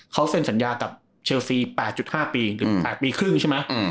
เขาเซ็นสัญญากับเชลซี๘๕ปีหรือ๘ปีครึ่งใช่ไหม